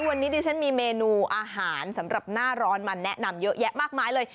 วันนี้ดิฉันมีเมนูอาหารสำหรับหน้าร้อนมาแนะนำเยอะแยะมากมายเลย